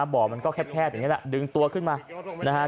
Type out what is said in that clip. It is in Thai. บ่อมันก็แคบแพทย์เหมือนแบบนี้นะดึงตัวขึ้นมา